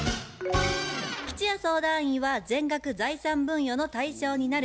吉弥相談員は「全額財産分与の対象になる」